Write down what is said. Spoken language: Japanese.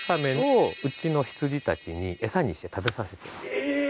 え！